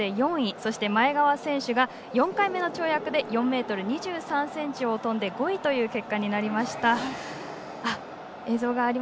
そして前川選手が４回目の跳躍で４ｍ２３ｃｍを跳んで５位という結果になりました。